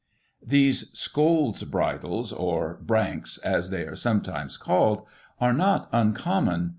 These " scold's bridles," or " branks," as they are sometimes called, are not uncommon.